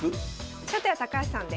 初手は高橋さんで。